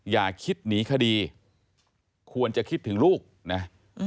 อย่าคิดหนีคดีควรจะคิดถึงลูกนะ